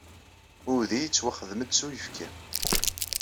Udi yettwaxdam-d s uyefki.